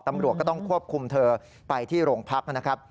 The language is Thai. ตำรวจก็ต้องควบคุมเธอไปที่โรงพักนะครับ